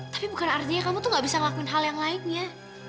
tapi bukan artinya kamu tuh gak bisa ngelakuin hal yang lainnya